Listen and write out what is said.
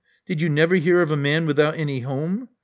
Did you never hear of a man with out any home?